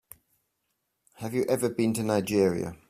Have you ever been to Nigeria?